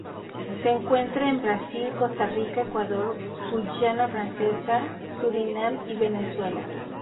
Se encuentra en Brasil, Costa Rica, Ecuador, Guayana Francesa, Surinam y Venezuela.